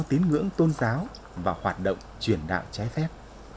sự do tín ngưỡng tôn giáo và hoạt động truyền đạo trái phép